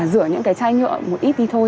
rửa những cái chai nhựa một ít đi thôi